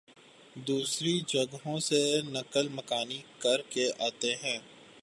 دوسری جگہوں سے نقل مکانی کرکے آتے ہیں